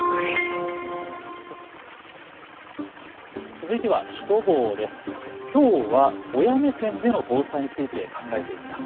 続いてはシュトボーです。